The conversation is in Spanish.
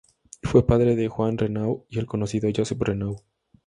Fue padre de Juan Renau y del conocido Josep Renau.